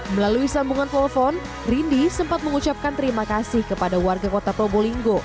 melalui sambungan telepon rindy sempat mengucapkan terima kasih kepada warga kota probolinggo